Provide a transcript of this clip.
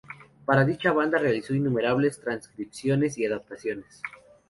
Para dicha banda realizó innumerables transcripciones y adaptaciones.